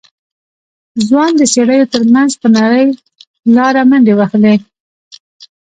ځوان د څېړيو تر منځ په نرۍ لاره منډې وهلې.